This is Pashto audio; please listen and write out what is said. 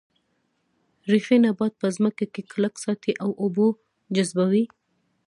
ریښې نبات په ځمکه کې کلک ساتي او اوبه جذبوي